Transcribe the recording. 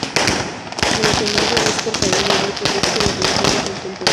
En el Senado, es portavoz del Grupo Mixto en la Comisión de Función Pública.